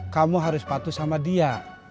kamu harus patuh sama dia